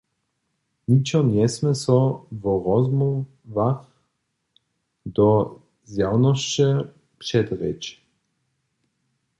Ničo njesmě so wo rozmołwach do zjawnosće předrěć.